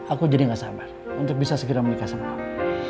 aku jadi gak sabar untuk bisa segera menikah sama aku